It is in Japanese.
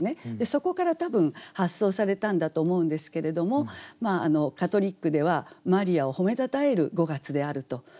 そこから多分発想されたんだと思うんですけれどもカトリックではマリアを褒めたたえる５月であると。